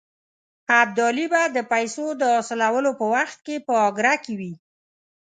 ابدالي به د پیسو د حاصلولو په وخت کې په اګره کې وي.